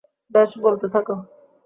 বেশ, বলতে থাকো!